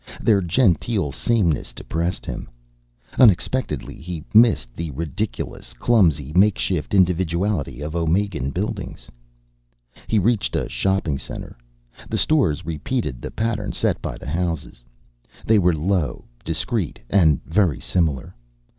Their genteel sameness depressed him. Unexpectedly he missed the ridiculous, clumsy, make shift individuality of Omegan buildings. He reached a shopping center. The stores repeated the pattern set by the houses. They were low, discreet, and very similar.